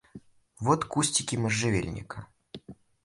Вот кустики можжевельника.